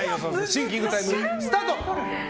シンキングタイムスタート！